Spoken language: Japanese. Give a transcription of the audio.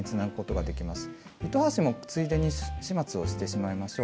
糸端もついでに始末をしてしまいましょう。